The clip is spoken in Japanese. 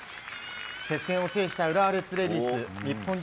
接戦を制した浦和レッズレディース。